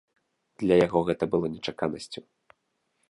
Для яго гэта было нечаканасцю.